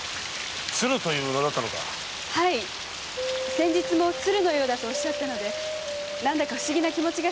先日も「鶴のようだ」とおっしゃったので何だか不思議な気持ちがしておりました。